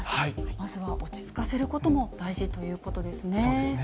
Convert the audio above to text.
まずは落ち着かせることも大事ということですね。